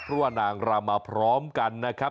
เพราะว่านางรำมาพร้อมกันนะครับ